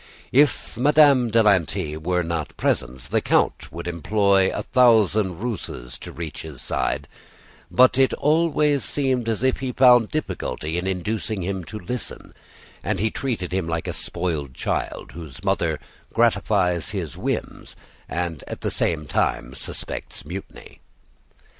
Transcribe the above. If Madame de Lanty were not present, the Count would employ a thousand ruses to reach his side; but it always seemed as if he found difficulty in inducing him to listen, and he treated him like a spoiled child, whose mother gratifies his whims and at the same time suspects mutiny.